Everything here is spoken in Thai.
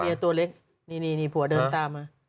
โลกตัวเล็กนี่หนีผัวเดินตาม